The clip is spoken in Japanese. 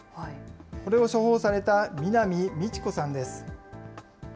これを処方された南美知子さんです。